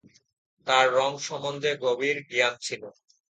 তার রঙ সম্বন্ধে গভীর জ্ঞান ছিল।